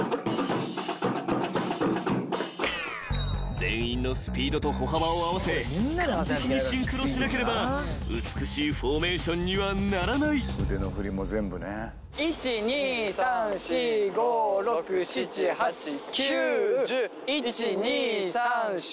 ［全員のスピードと歩幅を合わせ完璧にシンクロしなければ美しいフォーメーションにはならない］１２３４５６７８９１２３４。